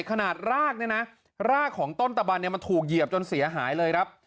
ขนาดรากเนี่ยนะรากของต้นตะบันเนี่ยมันถูกเหยียบจนเสียหายเลยครับ